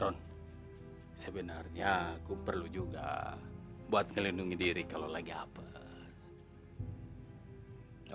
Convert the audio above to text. sebenarnya aku perlu juga buat ngelindungi diri kalau lagi hapes